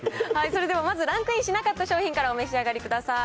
それではまずランクインしなかった商品からお召し上がりください。